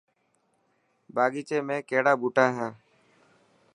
باغيچي ۾ ڪهڙا ٻوٽا هي.